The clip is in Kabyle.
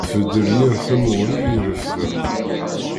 Tbeddel yir tamuɣli i refdeɣ.